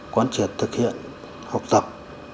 quan triệt thực hiện học tập